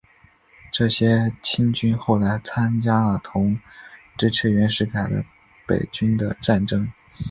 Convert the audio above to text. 这些黔军后来参加了同支持袁世凯的北军的战争。